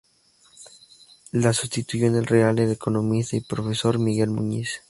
La sustituyó en el Real el economista y profesor, Miguel Muñiz.